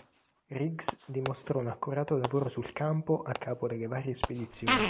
Riggs dimostrò un accurato lavoro sul campo a capo delle varie spedizioni.